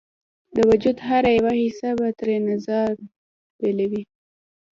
د وجود هره یوه حصه به ترېنه ځان بیلوي